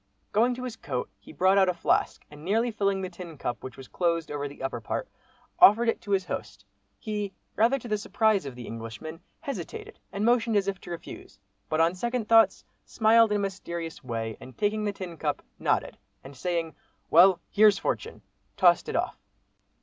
Going to his coat, he brought out a flask, and nearly filling the tin cup which was closed over the upper part, offered it to his host. He, rather to the surprise of the Englishman, hesitated and motioned as if to refuse, but on second thoughts smiled in a mysterious way, and taking the tin cup, nodded, and saying "Well, here's fortune!" tossed it off.